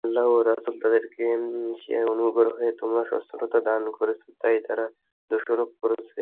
আল্লাহ ও রাসূল তাদেরকে স্বীয় অনুগ্রহে তাদের স্বচ্ছলতা দান করেছেন তাই তারা দোষারোপ করছে।